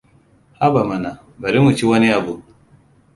Haba mana, bari mu ci wani abu!